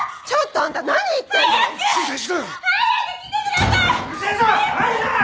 ちょっとあんた何言ってんの！？早く！